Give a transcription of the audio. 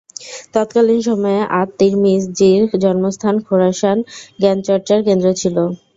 তৎকালীন সময়ে আত-তিরমিজির জন্মস্থান খোরাসান জ্ঞানচর্চার কেন্দ্র ছিল।